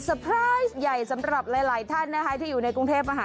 เจอสดใจใหญ่สำหรับหลายหลายท่านนะคะที่อยู่ในกรุงเทพฯมหา